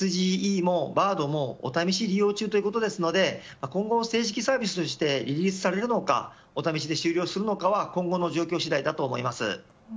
ただＳＧＥもＢａｒｄもお試し利用中ということですので今後、正式サービスとしてリリースされるのかお試しで終了するのかは今後の状況次第だと思います。